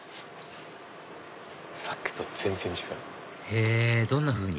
さっきと全然違う。